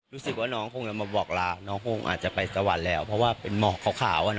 รู้สึกว่าน้องคงจะมาบอกลาน้องคงอาจจะไปสวรรค์แล้วเพราะว่าเป็นหมอกขาว